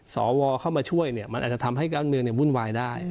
สวเข้ามาช่วยมันอาจจะทำให้การเมืองวุ่นวายได้